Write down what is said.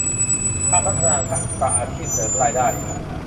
การพัฒนาทักษะอาชีพเสริมรายได้